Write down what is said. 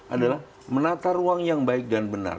adalah menata ruang yang baik dan benar